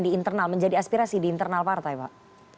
di internal menjadi aspirasi di internal partai pak